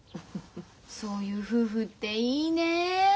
そういう夫婦っていいねえ。